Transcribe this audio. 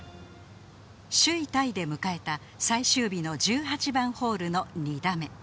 首位タイで迎えた最終日の１８番ホールの２打目。